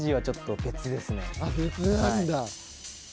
別なんだ。